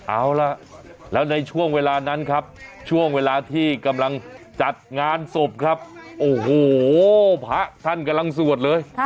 เอาล่ะแล้วในช่วงเวลานั้นครับช่วงเวลาที่กำลังจัดงานศพครับโอ้โหพระท่านกำลังสวดเลย